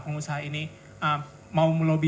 pengusaha ini mau melobi